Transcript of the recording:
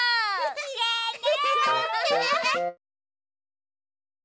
きれいね。